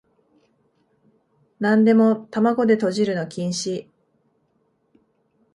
なんでも玉子でとじるの禁止